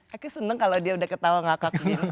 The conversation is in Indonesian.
aku senang kalau dia sudah ketawa ngakak gini